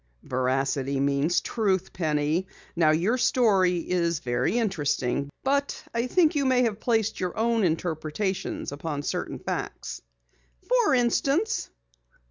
"Veracity means truth, Penny. Now your story is very interesting, but I think you may have placed your own interpretation upon certain facts." "For instance?"